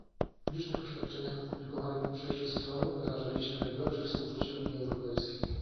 W licznych oświadczeniach opublikowanych po przejściu cyklonu wyrażaliśmy najgłębsze współczucie Unii Europejskiej